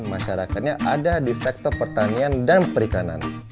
masyarakatnya ada di sektor pertanian dan perikanan